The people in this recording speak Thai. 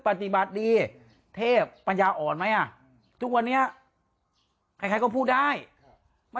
ปฏิบัติดีเทพปัญญาอ่อนไหมอ่ะทุกวันนี้ใครใครก็พูดได้ครับมัน